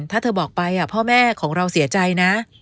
ถ้าเธอบอกไปพ่อแม่ของเราเสียใจนะ